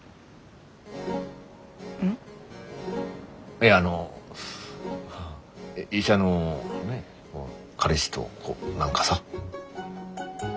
いやあの医者のねえ彼氏と何かさ。